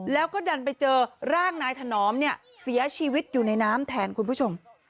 แล้วก็ดันไปเจอร่างนายถนอมเนี่ยเสียชีวิตอยู่ในน้ำแทนคุณผู้ชม